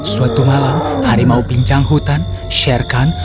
suatu malam harimau pinjang hutan sher khan